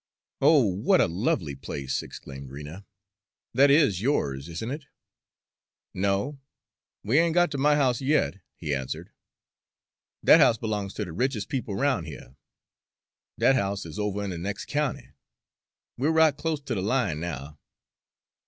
"Oh, what a lovely place!" exclaimed Rena. "That is yours, isn't it?" "No; we ain't got to my house yet," he answered. "Dat house b'longs ter de riches' people roun' here. Dat house is over in de nex' county. We're right close to de line now."